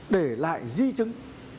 để lại di chứng